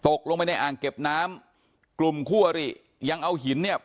ตกลงไปในอ่างเก็บน้ำกลุ่มคู่อริยังเอาหินเนี่ย